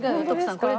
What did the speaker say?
徳さん